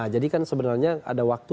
jadi kan sebenarnya ada waktu